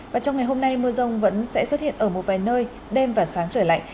và trong ngày hôm nay mưa rông vẫn sẽ xuất hiện ở một vài nơi đêm và sáng trời lạnh